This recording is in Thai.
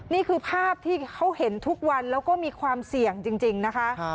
นี่คือภาพที่เขาเห็นทุกวันแล้วก็มีความเสี่ยงจริงนะคะ